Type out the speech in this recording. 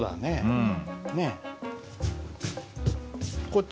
うん。